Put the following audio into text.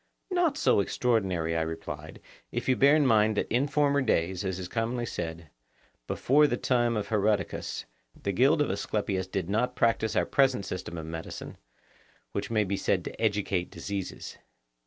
Not so extraordinary, I replied, if you bear in mind that in former days, as is commonly said, before the time of Herodicus, the guild of Asclepius did not practise our present system of medicine, which may be said to educate diseases.